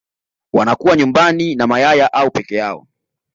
wanakuwa nyumbani na mayaya au peke yao